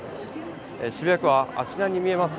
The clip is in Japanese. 渋谷区はあちらに見えます